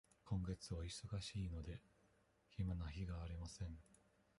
今月は忙しいので、暇な日がありません。